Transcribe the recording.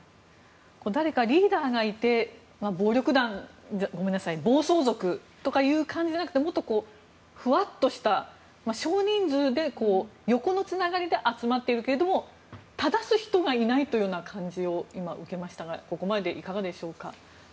誰かリーダーがいて暴走族とかっていう感じじゃなくてもっとこう、ふわっとした少人数で横のつながりで集まっているけれども正す人がいないというような感じを今、受けましたがここまででいかがでしょうか。